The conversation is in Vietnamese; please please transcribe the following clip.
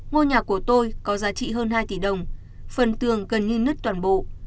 ngôi nhà của tôi có giá trị hơn hai tỷ đồng phần tường gần như nứt toàn bộ